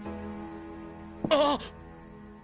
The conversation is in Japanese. あっ！？